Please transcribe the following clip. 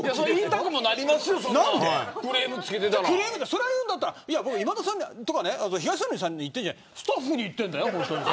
それを言うんだったら今田さんとか東野さんに言ってるんじゃなくてスタッフに言ってるんだよ。